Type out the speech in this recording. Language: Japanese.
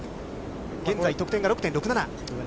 現在、得点が６．６７。